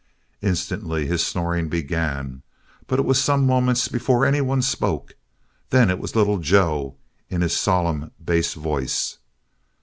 Instantly his snoring began but it was some moments before anyone spoke. Then it was Little Joe in his solemn bass voice.